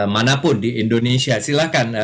manapun di indonesia silahkan